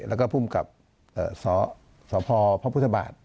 แล้วก็ภูมิกับสพพระพุทธบาท